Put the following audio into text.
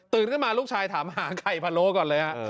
ขึ้นมาลูกชายถามหาไข่พะโล้ก่อนเลยฮะ